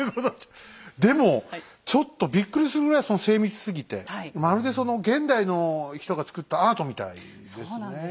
でもちょっとびっくりするぐらいその精密すぎてまるで現代の人がつくったアートみたいですね。